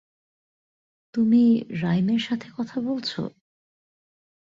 তুমি রাইমের সাথে কথা বলছো?